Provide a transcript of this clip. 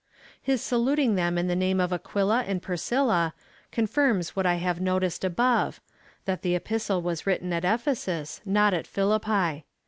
His saluting them in the name of Aquila and Pris cilla, confirms what I have noticed above^ — that the Epistle was written at Ephesus, not at Philippi.